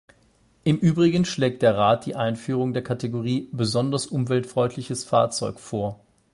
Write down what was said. Im übrigen schlägt der Rat die Einführung der Kategorie "besonders umweltfreundliches Fahrzeug" vor.